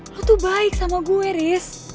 lo tuh baik sama gue riz